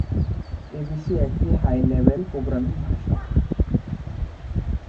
ABC একটি high level programming ভাষা।